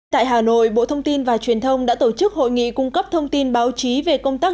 tại hà nội bộ thông tin và truyền thông đã tổ chức hội nghị cung cấp thông tin báo chí về công tác